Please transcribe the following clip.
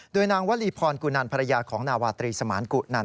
โดยนางวลีพรกุนันภรรยาของนาวาตรีสมานกุนัน